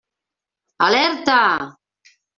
Alerta!